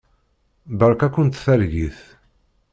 Beṛka-kent targit.